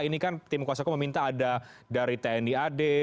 ini kan tim kuasa ku meminta ada dari tndad